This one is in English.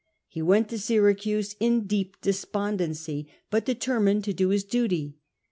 He went to Syracuse in deep despondency, but determined to do his duty.